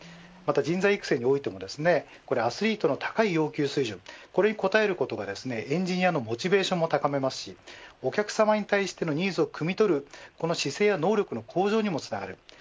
また、人材育成においてはアスリートの高い要求水準これに応えることがエンジニアのモチベーションを高めますしお客様に対するニーズをくみ取る姿勢や能力の向上にもつながる。